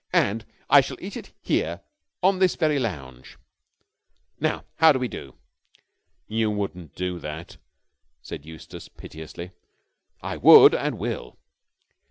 "And I shall eat it here on this very lounge. Now, how do we go?" "You wouldn't do that!" said Eustace piteously. "I would and will."